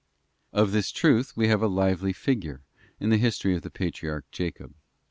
Of this truth we have a lively figure in the history of the patriarch Jacob.